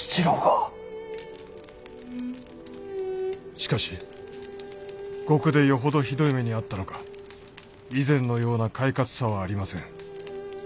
「しかし獄でよほどひどい目に遭ったのか以前のような快活さはありません。